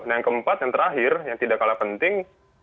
nah yang keempat yang terakhir yang tidak kalah penting